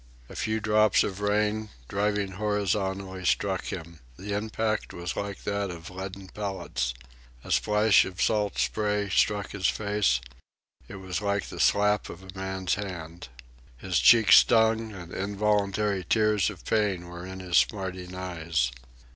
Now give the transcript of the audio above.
A few drops of rain, driving horizontally, struck him. The impact was like that of leaden pellets. A splash of salt spray struck his face. It was like the slap of a man's hand. His cheeks stung, and involuntary tears of pain were in his smarting eyes.